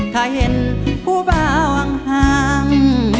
ถ้าเห็นผู้บางห่าง